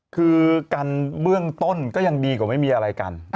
คือกันเบื้องต้นก็ยังดีกว่าไม่มีอะไรกัน